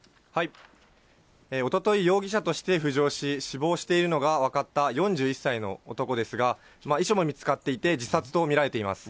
おととい、容疑者として浮上し、死亡しているのが分かった４１歳の男ですが、遺書も見つかっていて、自殺と見られています。